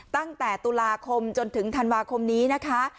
ตั้งแต่ตุลาคมจนถึงธันวาคมนี้นะคะ